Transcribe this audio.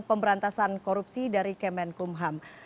pemberantasan korupsi dari kemenkumham